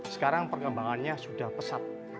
sekarang perkembangannya sudah pesat